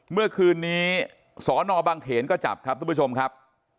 เมื่อคืนนี้สอนอบังเขนก็จับครับทุกผู้ชมครับ